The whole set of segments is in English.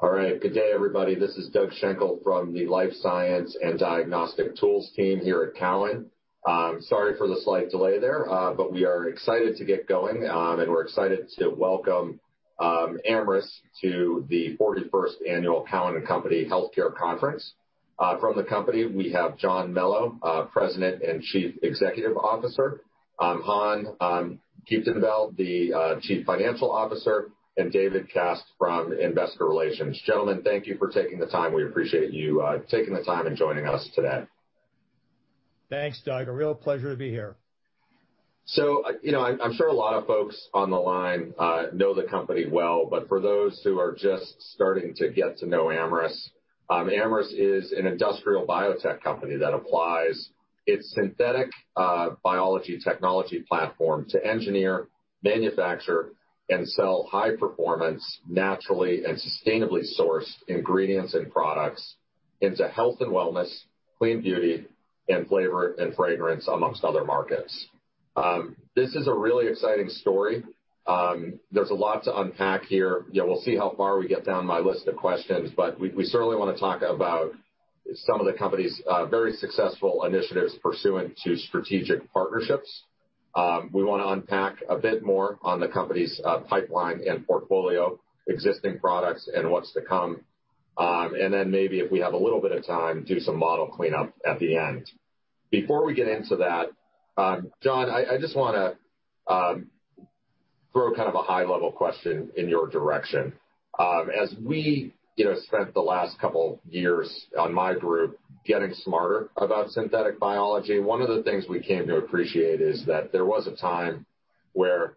All right. Good day, everybody. This is Doug Schenkel from the Life Science and Diagnostic Tools team here at Cowen. Sorry for the slight delay there, but we are excited to get going, and we're excited to welcome Amyris to the 41st Annual Cowen and Company Healthcare Conference. From the company, we have John Melo, President and Chief Executive Officer, Han Kieftenbeld, the Chief Financial Officer, and David Kast from Investor Relations. Gentlemen, thank you for taking the time. We appreciate you taking the time and joining us today. Thanks, Doug. A real pleasure to be here. So, you know, I'm sure a lot of folks on the line know the company well, but for those who are just starting to get to know Amyris, Amyris is an industrial biotech company that applies its synthetic biology technology platform to engineer, manufacture, and sell high-performance, naturally and sustainably sourced ingredients and products into health and wellness, clean beauty, and flavor and fragrance among other markets. This is a really exciting story. There's a lot to unpack here. You know, we'll see how far we get down my list of questions, but we certainly want to talk about some of the company's very successful initiatives pursuant to strategic partnerships. We want to unpack a bit more on the company's pipeline and portfolio, existing products, and what's to come. And then maybe if we have a little bit of time, do some model cleanup at the end. Before we get into that, John, I just want to throw kind of a high-level question in your direction. As we spent the last couple of years on my group getting smarter about synthetic biology, one of the things we came to appreciate is that there was a time where,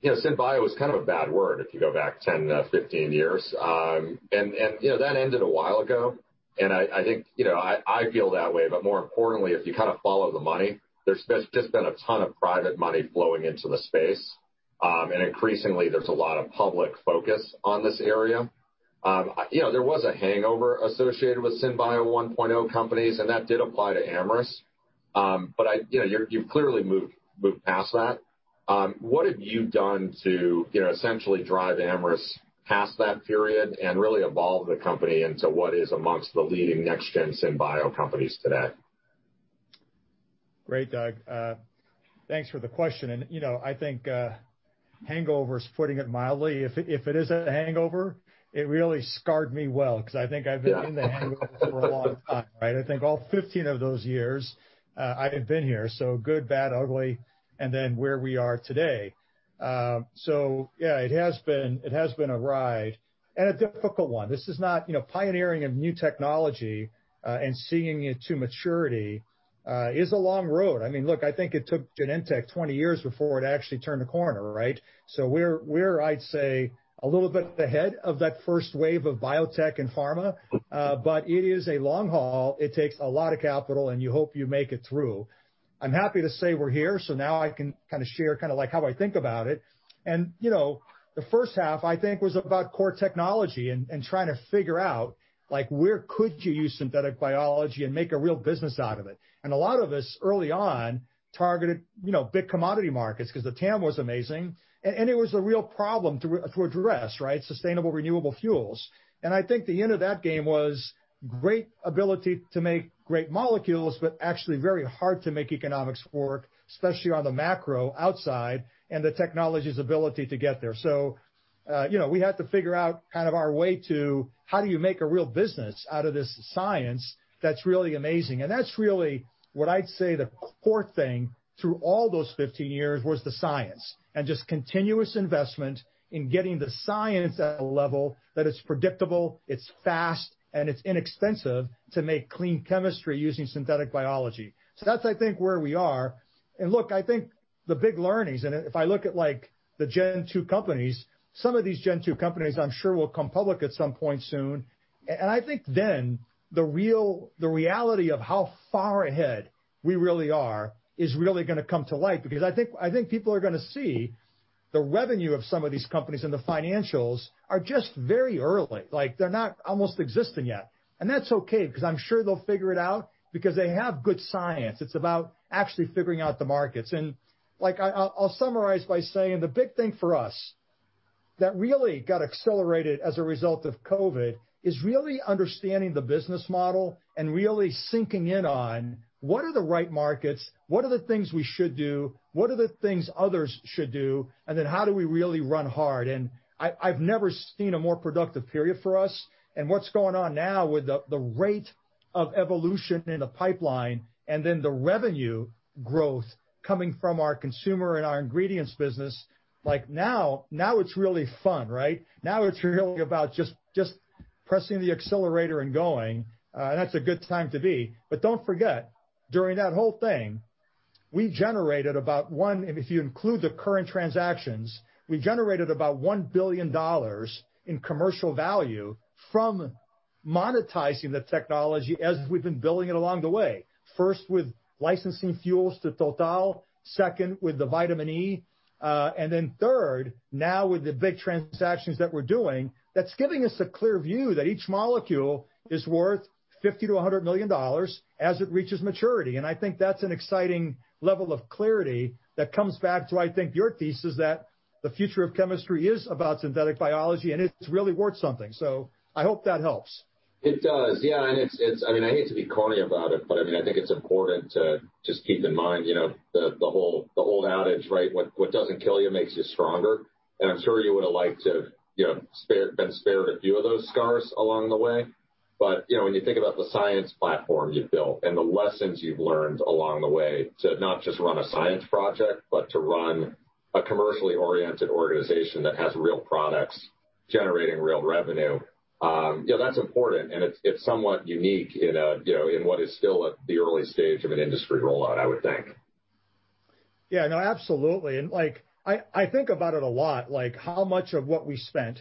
you know, synbio was kind of a bad word if you go back 10, 15 years, and, you know, that ended a while ago, and I think, you know, I feel that way, but more importantly, if you kind of follow the money, there's just been a ton of private money flowing into the space, and increasingly, there's a lot of public focus on this area. You know, there was a hangover associated with synbio 1.0 companies, and that did apply to Amyris, but you know, you've clearly moved past that. What have you done to, you know, essentially drive Amyris past that period and really evolve the company into what is amongst the leading next-gen synbio companies today? Great, Doug. Thanks for the question. And, you know, I think hangovers, putting it mildly, if it is a hangover, it really scarred me well because I think I've been in the hangover for a long time, right? I think all 15 of those years I've been here. So good, bad, ugly, and then where we are today. So, yeah, it has been a ride and a difficult one. This is not, you know, pioneering a new technology and seeing it to maturity is a long road. I mean, look, I think it took Genentech 20 years before it actually turned the corner, right? So we're, I'd say, a little bit ahead of that first wave of biotech and pharma, but it is a long haul. It takes a lot of capital, and you hope you make it through. I'm happy to say we're here. So now I can kind of share kind of like how I think about it. And, you know, the first half, I think, was about core technology and trying to figure out, like, where could you use synthetic biology and make a real business out of it? And a lot of us early on targeted, you know, big commodity markets because the TAM was amazing. And it was a real problem to address, right? Sustainable renewable fuels. And I think the end of that game was great ability to make great molecules, but actually very hard to make economics work, especially on the macro outside and the technology's ability to get there. So, you know, we had to figure out kind of our way to how do you make a real business out of this science that's really amazing. That's really what I'd say the core thing through all those 15 years was the science and just continuous investment in getting the science at a level that it's predictable, it's fast, and it's inexpensive to make clean chemistry using synthetic biology. That's, I think, where we are. Look, I think the big learnings, and if I look at like the Gen2 companies, some of these Gen2 companies, I'm sure will come public at some point soon. I think then the reality of how far ahead we really are is really going to come to light because I think people are going to see the revenue of some of these companies and the financials are just very early. Like, they're not almost existing yet. That's okay because I'm sure they'll figure it out because they have good science. It's about actually figuring out the markets. And like, I'll summarize by saying the big thing for us that really got accelerated as a result of COVID is really understanding the business model and really sinking in on what are the right markets, what are the things we should do, what are the things others should do, and then how do we really run hard. I've never seen a more productive period for us. What's going on now with the rate of evolution in the pipeline and then the revenue growth coming from our consumer and our ingredients business; like now, now it's really fun, right? Now it's really about just pressing the accelerator and going. That's a good time to be. But don't forget, during that whole thing, if you include the current transactions, we generated about $1 billion in commercial value from monetizing the technology as we've been building it along the way. First, with licensing fuels to Total, second, with the vitamin E, and then third, now with the big transactions that we're doing, that's giving us a clear view that each molecule is worth $50-$100 million as it reaches maturity. And I think that's an exciting level of clarity that comes back to, I think, your thesis that the future of chemistry is about synthetic biology and it's really worth something. So I hope that helps. It does. Yeah. And it's, I mean, I hate to be corny about it, but I mean, I think it's important to just keep in mind, you know, the whole old adage, right? What doesn't kill you makes you stronger. And I'm sure you would have liked to, you know, been spared a few of those scars along the way. But, you know, when you think about the science platform you've built and the lessons you've learned along the way to not just run a science project, but to run a commercially oriented organization that has real products generating real revenue, you know, that's important. And it's somewhat unique in, you know, in what is still at the early stage of an industry rollout, I would think. Yeah. No, absolutely. And like, I think about it a lot, like how much of what we spent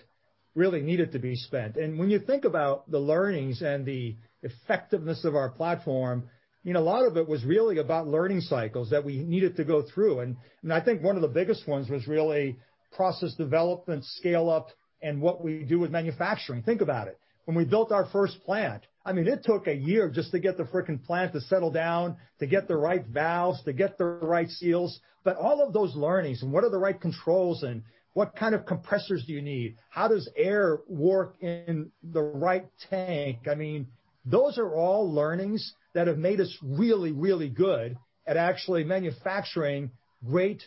really needed to be spent. And when you think about the learnings and the effectiveness of our platform, you know, a lot of it was really about learning cycles that we needed to go through. And I think one of the biggest ones was really process development, scale up, and what we do with manufacturing. Think about it. When we built our first plant, I mean, it took a year just to get the fricking plant to settle down, to get the right valves, to get the right seals. But all of those learnings and what are the right controls and what kind of compressors do you need? How does air work in the right tank? I mean, those are all learnings that have made us really, really good at actually manufacturing great,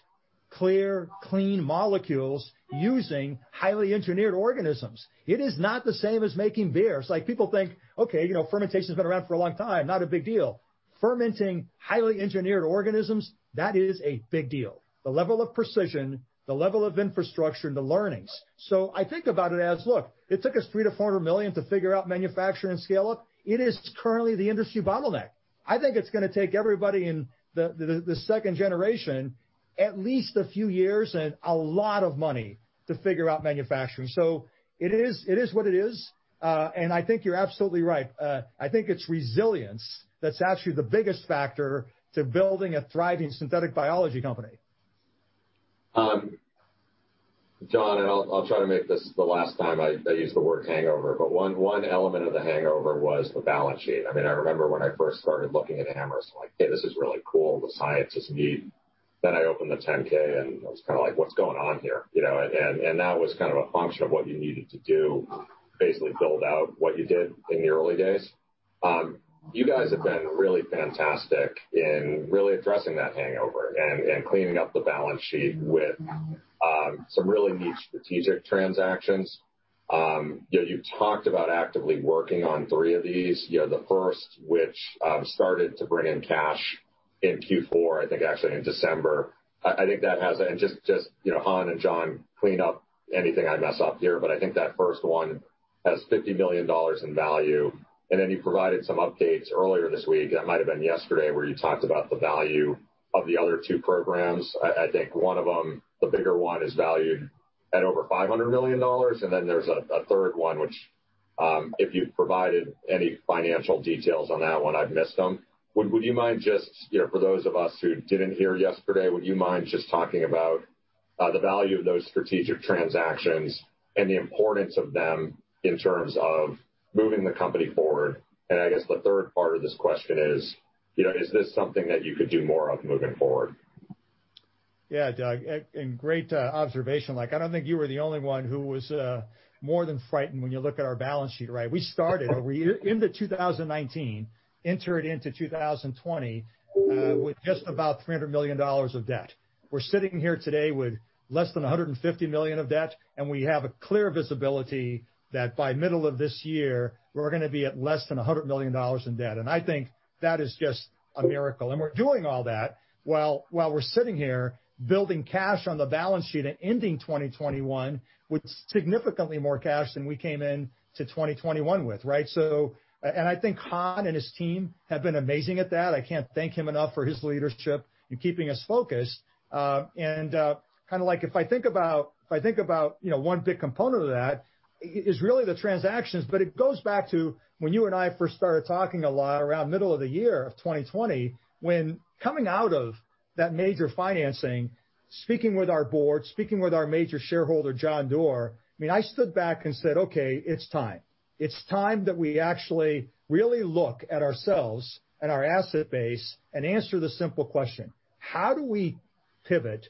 clear, clean molecules using highly engineered organisms. It is not the same as making beers. Like people think, okay, you know, fermentation has been around for a long time, not a big deal. Fermenting highly engineered organisms, that is a big deal. The level of precision, the level of infrastructure, and the learnings. So I think about it as, look, it took us $300-$400 million to figure out manufacturing and scale up. It is currently the industry bottleneck. I think it's going to take everybody in the second generation at least a few years and a lot of money to figure out manufacturing. So it is what it is. And I think you're absolutely right. I think it's resilience that's actually the biggest factor to building a thriving synthetic biology company. John, and I'll try to make this the last time I use the word hangover, but one element of the hangover was the balance sheet. I mean, I remember when I first started looking at Amyris. I'm like, hey, this is really cool. The science is neat. Then I opened the 10K and I was kind of like, what's going on here? You know, and that was kind of a function of what you needed to do, basically build out what you did in the early days. You guys have been really fantastic in really addressing that hangover and cleaning up the balance sheet with some really neat strategic transactions. You know, you've talked about actively working on three of these. You know, the first, which started to bring in cash in Q4, I think actually in December. I think that has, and just, you know, Han and John, clean up anything I mess up here, but I think that first one has $50 million in value. And then you provided some updates earlier this week, that might have been yesterday, where you talked about the value of the other two programs. I think one of them, the bigger one, is valued at over $500 million. And then there's a third one, which if you provided any financial details on that one, I've missed them. Would you mind just, you know, for those of us who didn't hear yesterday, would you mind just talking about the value of those strategic transactions and the importance of them in terms of moving the company forward? And I guess the third part of this question is, you know, is this something that you could do more of moving forward? Yeah, Doug. And great observation. Like, I don't think you were the only one who was more than frightened when you look at our balance sheet, right? We started in 2019, entered into 2020 with just about $300 million of debt. We're sitting here today with less than $150 million of debt, and we have a clear visibility that by middle of this year, we're going to be at less than $100 million in debt. And I think that is just a miracle. And we're doing all that while we're sitting here building cash on the balance sheet and ending 2021 with significantly more cash than we came into 2021 with, right? So, and I think Han and his team have been amazing at that. I can't thank him enough for his leadership and keeping us focused. And kind of like if I think about, you know, one big component of that is really the transactions, but it goes back to when you and I first started talking a lot around middle of the year of 2020, when coming out of that major financing, speaking with our board, speaking with our major shareholder, John Doerr. I mean, I stood back and said, okay, it's time. It's time that we actually really look at ourselves and our asset base and answer the simple question, how do we pivot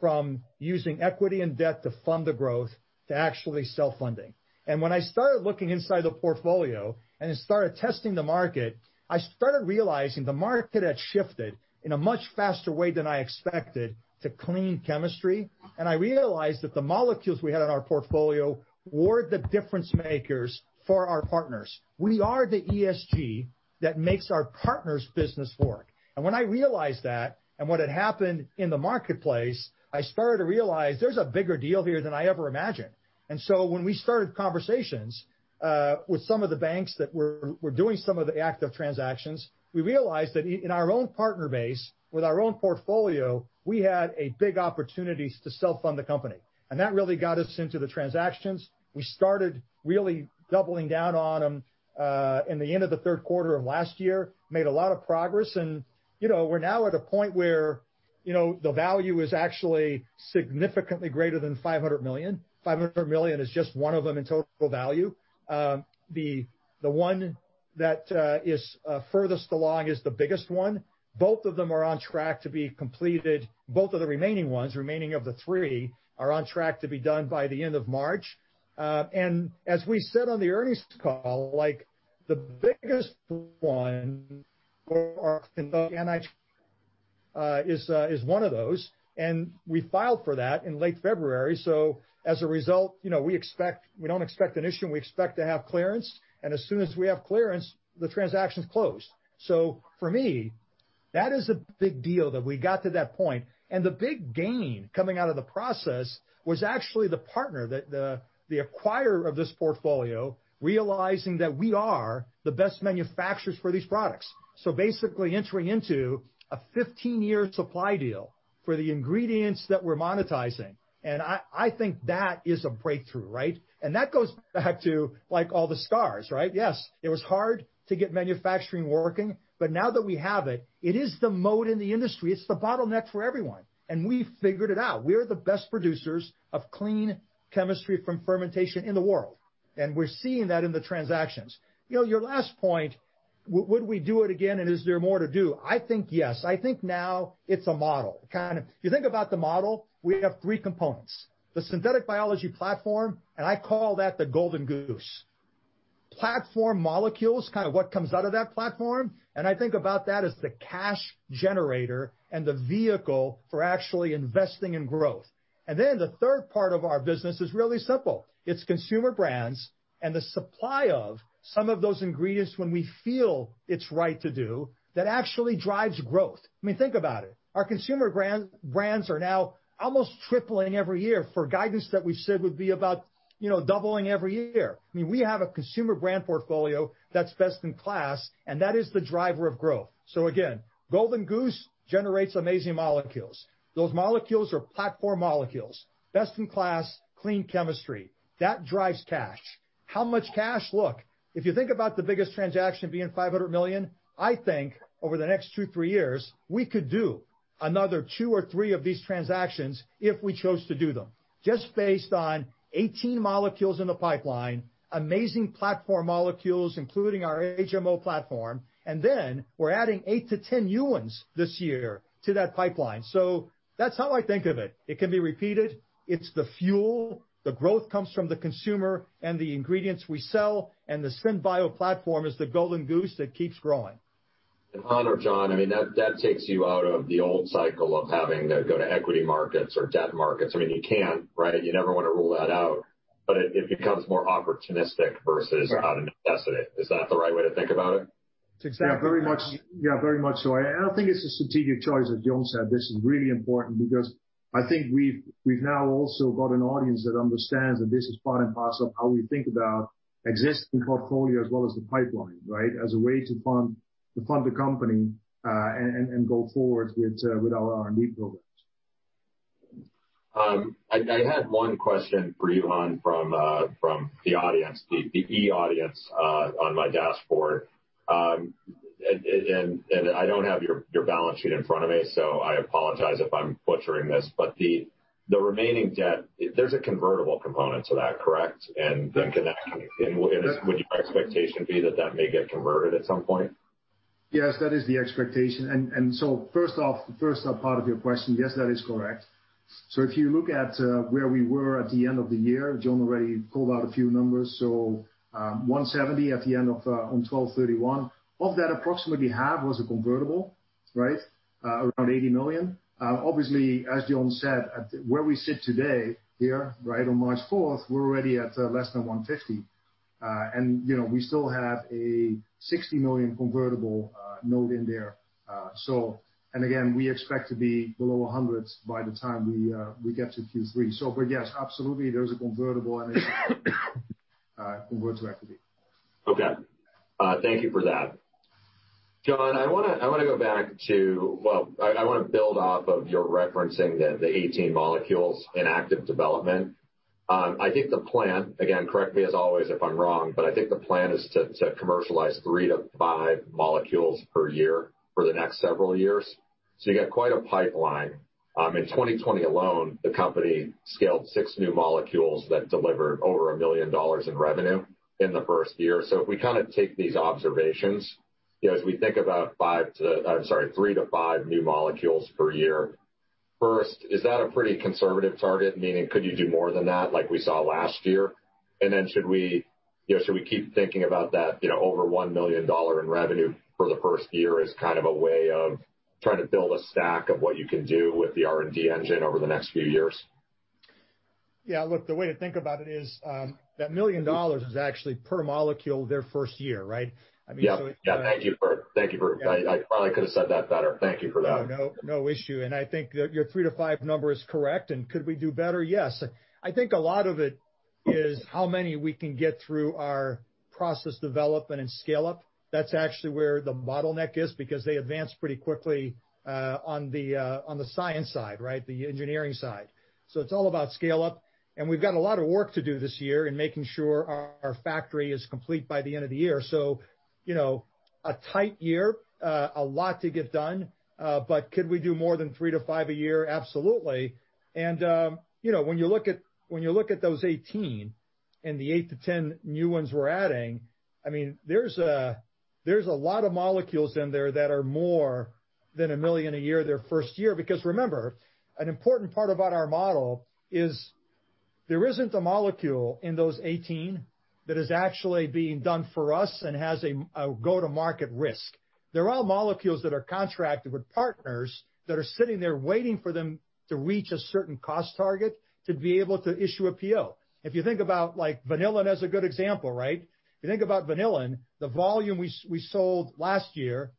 from using equity and debt to fund the growth to actually self-funding? And when I started looking inside the portfolio and started testing the market, I started realizing the market had shifted in a much faster way than I expected to clean chemistry. And I realized that the molecules we had on our portfolio were the difference makers for our partners. We are the ESG that makes our partners' business work. And when I realized that and what had happened in the marketplace, I started to realize there's a bigger deal here than I ever imagined. And so when we started conversations with some of the banks that were doing some of the active transactions, we realized that in our own partner base, with our own portfolio, we had a big opportunity to self-fund the company. And that really got us into the transactions. We started really doubling down on them in the end of the third quarter of last year, made a lot of progress. And, you know, we're now at a point where, you know, the value is actually significantly greater than $500 million. $500 million is just one of them in total value. The one that is furthest along is the biggest one. Both of them are on track to be completed. Both of the remaining ones, remaining of the three, are on track to be done by the end of March. And as we said on the earnings call, like the biggest one for us is one of those. And we filed for that in late February. So as a result, you know, we expect, we don't expect an issue. We expect to have clearance. And as soon as we have clearance, the transaction's closed. So for me, that is a big deal that we got to that point. And the big gain coming out of the process was actually the partner, the acquirer of this portfolio, realizing that we are the best manufacturers for these products. So basically entering into a 15-year supply deal for the ingredients that we're monetizing. And I think that is a breakthrough, right? And that goes back to like all the scars, right? Yes. It was hard to get manufacturing working, but now that we have it, it is the moat in the industry. It's the bottleneck for everyone. And we figured it out. We are the best producers of clean chemistry from fermentation in the world. And we're seeing that in the transactions. You know, your last point, would we do it again and is there more to do? I think yes. I think now it's a model. Kind of you think about the model, we have three components. The synthetic biology platform, and I call that the golden goose. Platform molecules, kind of what comes out of that platform. I think about that as the cash generator and the vehicle for actually investing in growth. Then the third part of our business is really simple. It's consumer brands and the supply of some of those ingredients when we feel it's right to do that actually drives growth. I mean, think about it. Our consumer brands are now almost tripling every year for guidance that we said would be about, you know, doubling every year. I mean, we have a consumer brand portfolio that's best in class, and that is the driver of growth. Again, golden goose generates amazing molecules. Those molecules are platform molecules, best in class, clean chemistry. That drives cash. How much cash? Look, if you think about the biggest transaction being $500 million, I think over the next two, three years, we could do another two or three of these transactions if we chose to do them. Just based on 18 molecules in the pipeline, amazing platform molecules, including our HMO platform, and then we're adding 8-10 new ones this year to that pipeline. So that's how I think of it. It can be repeated. It's the fuel. The growth comes from the consumer and the ingredients we sell. And the SynBio platform is the golden goose that keeps growing. And, John, I mean, that takes you out of the old cycle of having to go to equity markets or debt markets. I mean, you can, right? You never want to rule that out, but it becomes more opportunistic versus out of necessity. Is that the right way to think about it? Exactly. Yeah, very much so. And I think it's a strategic choice that John said. This is really important because I think we've now also got an audience that understands that this is part and parcel of how we think about existing portfolio as well as the pipeline, right? As a way to fund the company and go forward with our R&D programs. I had one question for you, Han, from the audience, the E audience on my dashboard. And I don't have your balance sheet in front of me, so I apologize if I'm butchering this. But the remaining debt, there's a convertible component to that, correct? And would your expectation be that that may get converted at some point? Yes, that is the expectation. And so first off, the first part of your question, yes, that is correct. So if you look at where we were at the end of the year, John already pulled out a few numbers. So $170 at the end of on 12/31. Of that, approximately half was a convertible, right? Around $80 million. Obviously, as John said, where we sit today here, right on March 4th, we're already at less than $150. And, you know, we still have a $60 million convertible note in there. So, and again, we expect to be below $100 by the time we get to Q3. So, but yes, absolutely, there's a convertible and it's convert to equity. Okay. Thank you for that. John, I want to go back to, well, I want to build off of your referencing the 18 molecules in active development. I think the plan, again, correct me as always if I'm wrong, but I think the plan is to commercialize three to five molecules per year for the next several years. So you got quite a pipeline. In 2020 alone, the company scaled six new molecules that delivered over $1 million in revenue in the first year. So if we kind of take these observations, you know, as we think about five to, I'm sorry, three to five new molecules per year, first, is that a pretty conservative target? Meaning, could you do more than that like we saw last year? And then should we, you know, should we keep thinking about that, you know, over $1 million in revenue for the first year as kind of a way of trying to build a stack of what you can do with the R&D engine over the next few years? Yeah, look, the way to think about it is that $1 million is actually per molecule their first year, right? I mean. Yeah, thank you. I probably could have said that better. Thank you for that. No, no issue. And I think your three to five number is correct. And could we do better? Yes. I think a lot of it is how many we can get through our process development and scale up. That's actually where the bottleneck is because they advance pretty quickly on the science side, right? The engineering side. So it's all about scale up. And we've got a lot of work to do this year in making sure our factory is complete by the end of the year. So, you know, a tight year, a lot to get done, but could we do more than three to five a year? Absolutely. You know, when you look at those 18 and the 8-10 new ones we're adding, I mean, there's a lot of molecules in there that are more than $1 million a year their first year. Because remember, an important part about our model is there isn't a molecule in those 18 that is actually being done for us and has a go-to-market risk. They're all molecules that are contracted with partners that are sitting there waiting for them to reach a certain cost target to be able to issue a PO. If you think about like vanillin as a good example, right? If you think about vanillin, the volume we sold last year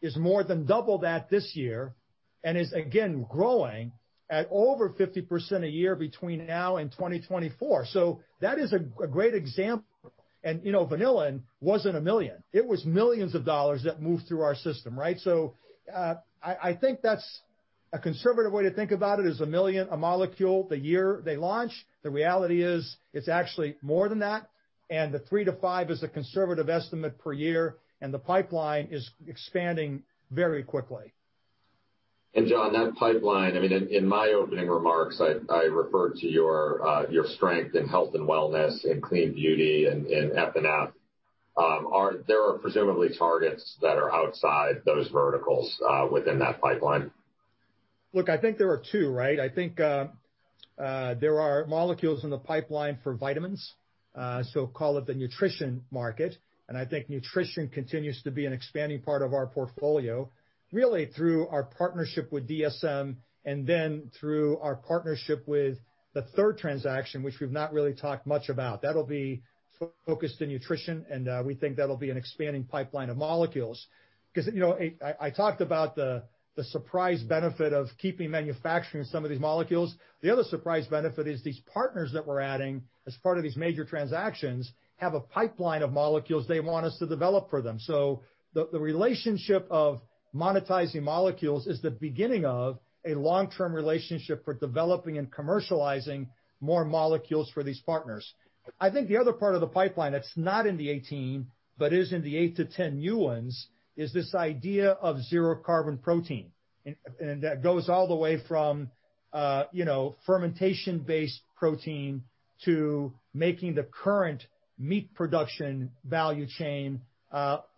is more than double that this year and is again growing at over 50% a year between now and 2024. So that is a great example. You know, Vanillin wasn't a million. It was millions of dollars that moved through our system, right? I think that's a conservative way to think about it: a million a molecule the year they launch. The reality is it's actually more than that. The three to five is a conservative estimate per year. The pipeline is expanding very quickly. And John, that pipeline, I mean, in my opening remarks, I referred to your strength in health and wellness and clean beauty and F&F. Are there presumably targets that are outside those verticals within that pipeline? Look, I think there are two, right? I think there are molecules in the pipeline for vitamins. So call it the nutrition market. And I think nutrition continues to be an expanding part of our portfolio, really through our partnership with DSM and then through our partnership with the third transaction, which we've not really talked much about. That'll be focused in nutrition. And we think that'll be an expanding pipeline of molecules. Because, you know, I talked about the surprise benefit of keeping manufacturing some of these molecules. The other surprise benefit is these partners that we're adding as part of these major transactions have a pipeline of molecules they want us to develop for them. So the relationship of monetizing molecules is the beginning of a long-term relationship for developing and commercializing more molecules for these partners. I think the other part of the pipeline that's not in the 18, but is in the 8 to 10 years is this idea of zero carbon protein, and that goes all the way from, you know, fermentation-based protein to making the current meat production value chain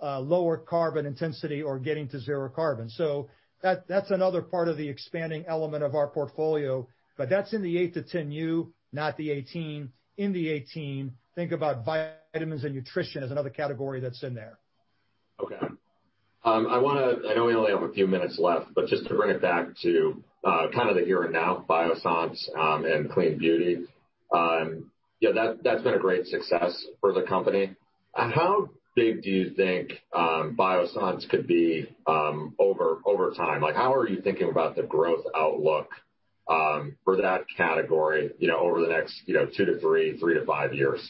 lower carbon intensity or getting to zero carbon, so that's another part of the expanding element of our portfolio, but that's in the 8 to 10 years, not the 18. In the 18, think about vitamins and nutrition as another category that's in there. Okay. I want to, I know we only have a few minutes left, but just to bring it back to kind of the here and now, Biossance and clean beauty. Yeah, that's been a great success for the company. How big do you think Biossance could be over time? Like how are you thinking about the growth outlook for that category, you know, over the next, you know, two to three, three to five years?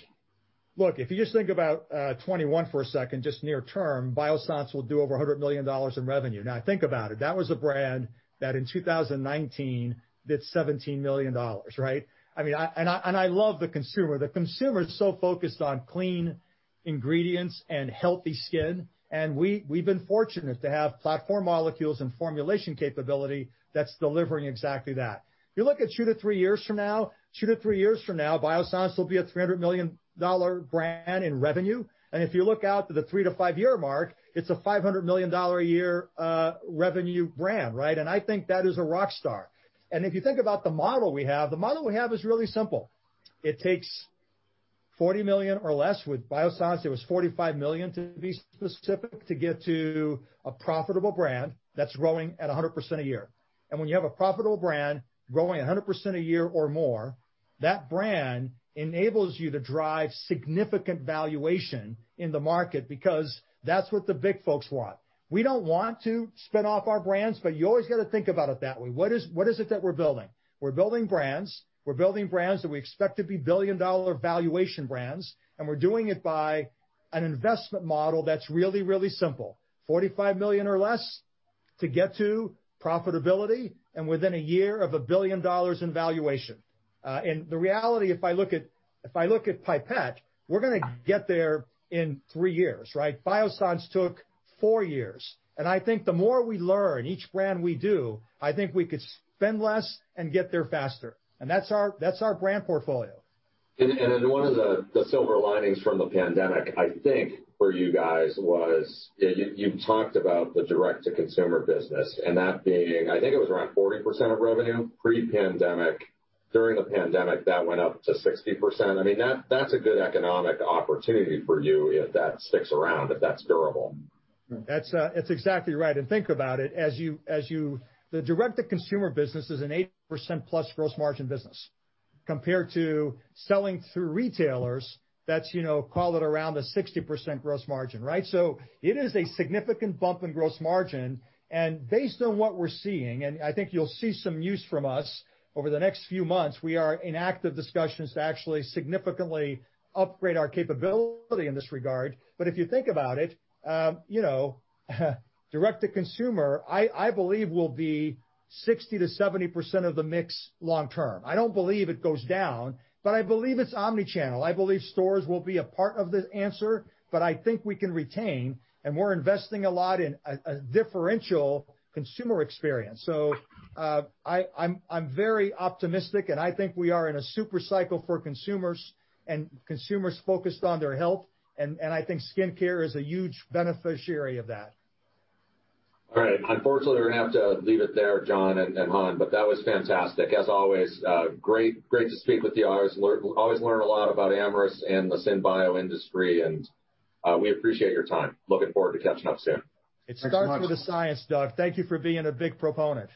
Look, if you just think about 2021 for a second, just near term, Biossance will do over $100 million in revenue. Now think about it. That was a brand that in 2019 did $17 million, right? I mean, and I love the consumer. The consumer is so focused on clean ingredients and healthy skin. And we've been fortunate to have platform molecules and formulation capability that's delivering exactly that. If you look at two to three years from now, two to three years from now, Biossance will be a $300 million brand in revenue. And if you look out to the three to five year mark, it's a $500 million a year revenue brand, right? And I think that is a rock star. And if you think about the model we have, the model we have is really simple. It takes $40 million or less with Biossance. It was $45 million to be specific to get to a profitable brand that's growing at 100% a year. And when you have a profitable brand growing 100% a year or more, that brand enables you to drive significant valuation in the market because that's what the big folks want. We don't want to spin off our brands, but you always got to think about it that way. What is it that we're building? We're building brands. We're building brands that we expect to be billion-dollar valuation brands. And we're doing it by an investment model that's really, really simple. $45 million or less to get to profitability and within a year of $1 billion in valuation. And the reality, if I look at, if I look at Kieftenbeld, we're going to get there in three years, right? Biossance took four years. I think the more we learn, each brand we do, I think we could spend less and get there faster. That's our brand portfolio. And one of the silver linings from the pandemic, I think, for you guys was you've talked about the direct-to-consumer business. And that being, I think it was around 40% of revenue pre-pandemic. During the pandemic, that went up to 60%. I mean, that's a good economic opportunity for you if that sticks around, if that's durable. That's exactly right. And think about it as you, the direct-to-consumer business is an 80% plus gross margin business compared to selling through retailers. That's, you know, call it around the 60% gross margin, right? So it is a significant bump in gross margin. And based on what we're seeing, and I think you'll see some use from us over the next few months, we are in active discussions to actually significantly upgrade our capability in this regard. But if you think about it, you know, direct-to-consumer, I believe will be 60%-70% of the mix long term. I don't believe it goes down, but I believe it's omnichannel. I believe stores will be a part of the answer, but I think we can retain. And we're investing a lot in a differential consumer experience. So I'm very optimistic. And I think we are in a super cycle for consumers and consumers focused on their health. And I think skincare is a huge beneficiary of that. All right. Unfortunately, we're going to have to leave it there, John and Han, but that was fantastic. As always, great to speak with you. I always learn a lot about Amyris and the SynBio industry. And we appreciate your time. Looking forward to catching up soon. It starts with the science, Doug. Thank you for being a big proponent.